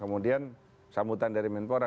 kemudian sambutan dari menpora